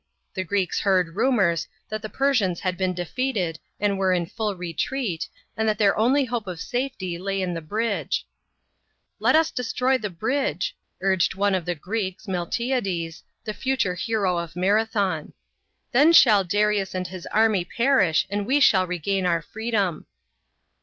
The Greeks heard rumours, that the Persians had been defeated and were in full retreat, and that their only hope of safety lay in the bridge. "Let us destroy the bridge," urged one of the Greeks, Miltiades, the future hero of Marathon ; l " then shall Darius and his army perish and we shall regain our freedom."